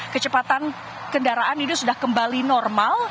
kecepatan kendaraan ini sudah kembali normal